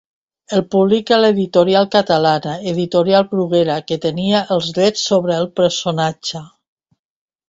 El publica l'editorial catalana Editorial Bruguera que tenia els drets sobre el personatge.